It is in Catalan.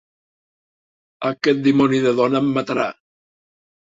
Aquest dimoni de dona em matarà!